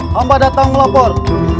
hamba datang melapor